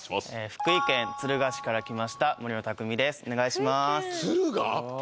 福井県敦賀市から来ましたたくみですお願いします敦賀？